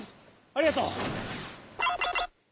ありがとう。